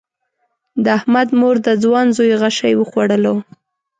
د احمد مور د ځوان زوی غشی وخوړلو.